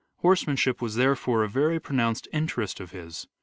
Horsemanship was, therefore, a very pronounced interest of his.